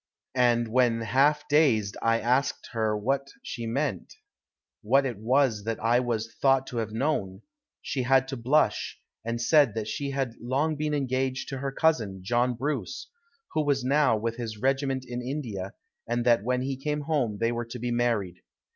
And when half dazed I asked her what she meant, what it was that I was thought to have known, she had to blush, and said that she had long been engaged to her cousin, John Bruce, who was now with his regiment in India, and that when he came home they were to be married.